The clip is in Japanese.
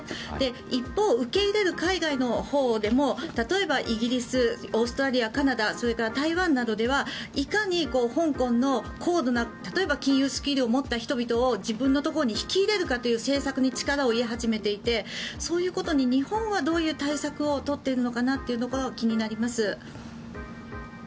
一方、受け入れる海外のほうでも例えば、イギリスオーストラリアカナダ、それから台湾などではいかに香港の高度な例えば金融スキルを持った人々を自分のところに引き入れるという政策に力を入れ始めていてそういうことに日本がどういう対策を取っているのかが気になります。